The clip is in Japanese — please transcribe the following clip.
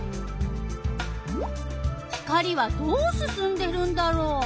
光はどうすすんでるんだろう？